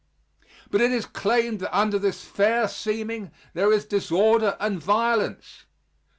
But it is claimed that under this fair seeming there is disorder and violence.